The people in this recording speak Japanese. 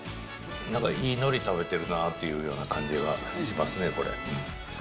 なんか、いいのり食べてるなーっていう感じがしますね、これ。